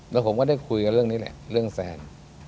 แล้วผมก็ได้คุยกันเรื่องนี้แหละเรื่องแฟน